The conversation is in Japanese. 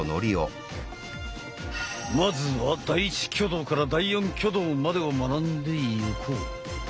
まずは第１挙動から第４挙動までを学んでいこう。